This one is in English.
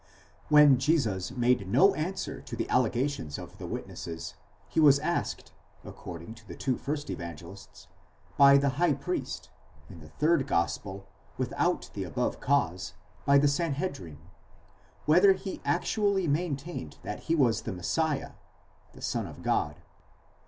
When Jesus made no answer to the allegations of the witnesses, he was asked, according to the two first Evangelists, by the high priest,—in the third gospel, without the above cause, by the Sanhedrim,—whether he actually maintained that he was the Messiah (the Son of God)?